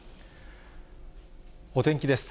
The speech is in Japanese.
お天気です。